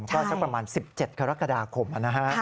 ก็สักประมาณ๑๗กรกฎาคมนะฮะ